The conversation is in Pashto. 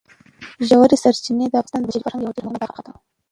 ژورې سرچینې د افغانستان د بشري فرهنګ یوه ډېره مهمه برخه ده.